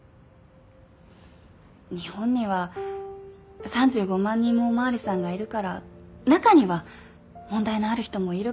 日本には３５万人もお巡りさんがいるから中には問題のある人もいるかもしれない。